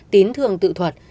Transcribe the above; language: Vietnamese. tín thường tự thuật